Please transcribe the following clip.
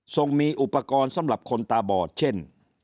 ส่งมีอุปกรณ์สำหรับคนตาบอดเช่น